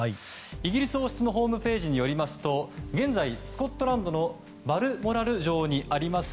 イギリス王室のホームページによりますと現在、スコットランドのバルモラル城にあります